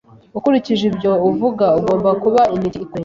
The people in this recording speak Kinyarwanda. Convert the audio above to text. Ukurikije ibyo uvuga, agomba kuba intiti ikomeye.